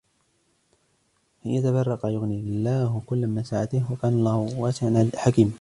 وَإِنْ يَتَفَرَّقَا يُغْنِ اللَّهُ كُلًّا مِنْ سَعَتِهِ وَكَانَ اللَّهُ وَاسِعًا حَكِيمًا